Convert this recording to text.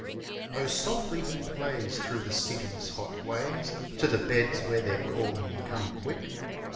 Oh, softly he plays through the city's hot ways To the beds where they're calling "Come, quick